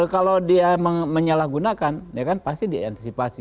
kalau dia menyalahgunakan pasti diantisipasi